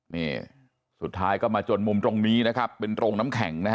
นี่สุดท้ายก็มาจนมุมตรงนี้นะครับเป็นโรงน้ำแข็งนะฮะ